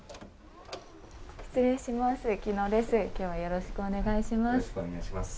失礼します。